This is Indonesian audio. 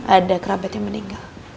ada kerabat yang meninggal